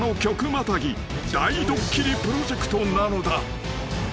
［大ドッキリプロジェクトなのだ］